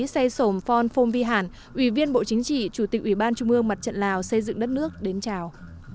xe sổm phon phong vi hản ủy viên bộ chính trị chủ tịch ủy ban trung ương mặt trận lào xây dựng đất nước đến chào